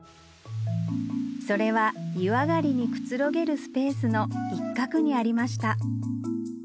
それは湯上がりにくつろげるスペースの一角にありました